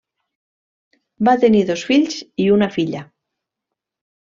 Va tenir dos fills i una filla.